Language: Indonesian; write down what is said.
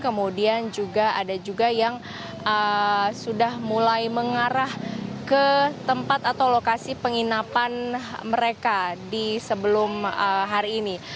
kemudian juga ada juga yang sudah mulai mengarah ke tempat atau lokasi penginapan mereka di sebelum hari ini